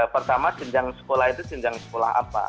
pertama senjang sekolah itu senjang sekolah apa